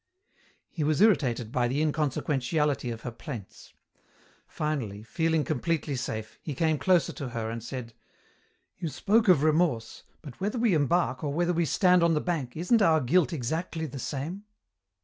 He was irritated by the inconsequentiality of her plaints. Finally, feeling completely safe, he came closer to her and said, "You spoke of remorse, but whether we embark or whether we stand on the bank, isn't our guilt exactly the same?"